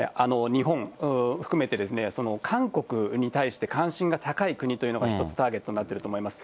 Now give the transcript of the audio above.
日本含めて、韓国に対して関心が高い国というのが、１つターゲットになってると思います。